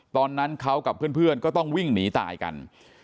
ตอนนั้นเขากับเพื่อนก็ต้องวิ่งหนีตายกัน